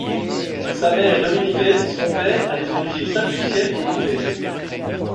Sa mère est dominiquaise et son père a des origines saint-lucienne et anglaise.